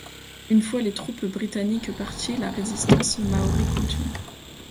Une fois les troupes britanniques parties, la résistance māori continue.